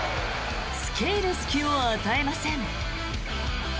付け入る隙を与えません。